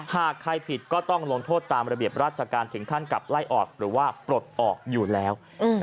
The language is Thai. หากใครผิดก็ต้องลงโทษตามระเบียบราชการถึงขั้นกลับไล่ออกหรือว่าปลดออกอยู่แล้ว